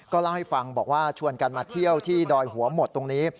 เล่าให้ฟังบอกว่าชวนกันมาเที่ยวที่ดอยหัวหมดตรงนี้